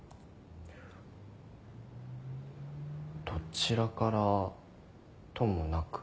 どちらからともなく。